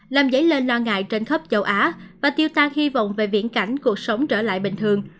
làm dấy lên lo ngại trên khắp châu á và tiêu tang hy vọng về viễn cảnh cuộc sống trở lại bình thường